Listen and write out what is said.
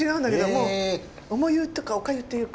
もう重湯とかおかゆっていうか。